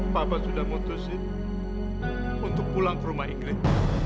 papa sudah memutuskan untuk pulang ke rumah ingrid